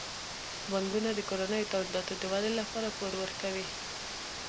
بانکونه د کورنیو تولیداتو د ودې لپاره پور ورکوي.